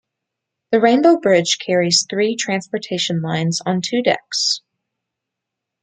The Rainbow Bridge carries three transportation lines on two decks.